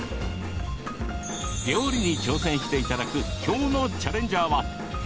料理に挑戦していただく今日のチャレンジャーは。